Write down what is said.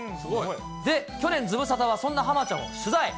で、去年ズムサタはそんなハマちゃんを取材。